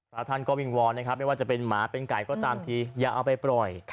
พระท่านก็วิงวอนนะครับไม่ว่าจะเป็นหมาเป็นไก่ก็ตามทีอย่าเอาไปปล่อย